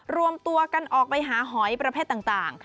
รวมตัวกันออกไปหาหอยประเภทต่าง